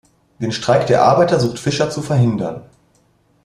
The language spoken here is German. Den Streik der Arbeiter sucht Fischer zu verhindern.